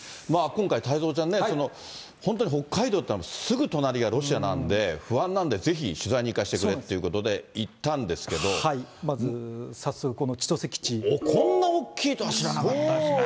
今回、太蔵ちゃんね、本当に北海道というのは、すぐ隣がロシアなんで、不安なんで、ぜひ取材に行かせてくれっていうことで、まず早速、こんな大きいとは知らなかったですね。